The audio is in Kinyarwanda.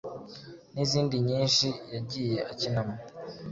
n’izindi nyinshi.yagiye akinamo